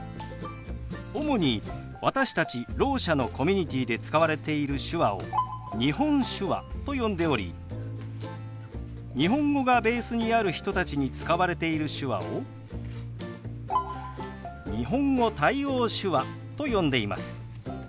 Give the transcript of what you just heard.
主に私たちろう者のコミュニティーで使われている手話を日本手話と呼んでおり日本語がベースにある人たちに使われている手話を日本語対応手話と呼んでいます。